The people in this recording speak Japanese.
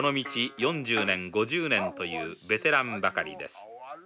４０年５０年というベテランばかりです。